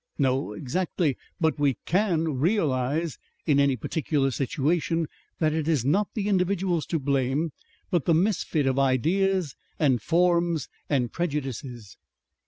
"No. Exactly. But we CAN realize, in any particular situation, that it is not the individuals to blame but the misfit of ideas and forms and prejudices."